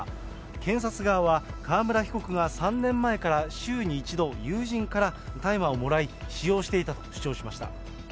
検察側は、川村被告が３年前から週に１度、友人から大麻をもらい使用していたと主張しました。